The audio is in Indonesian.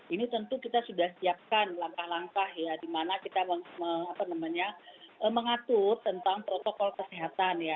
ini tentu kita sudah siapkan langkah langkah ya di mana kita mengatur tentang protokol kesehatan ya